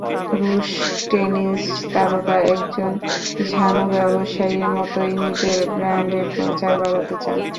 রুশ টেনিস তারকা একজন ঝানু ব্যবসায়ীর মতোই নিজের ব্র্যান্ডের প্রচার বাড়াতে চান।